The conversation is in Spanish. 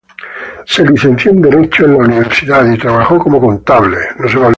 Se licenció en Derecho en la universidad y trabajó como contable.